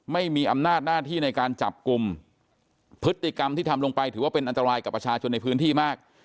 ไม่มีอำนาจหน้าที่ในการจับกลุ่มพฤติกรรมที่ทำลงไปถือว่าเป็นอันตรายกับประชาชนในพื้นที่มาก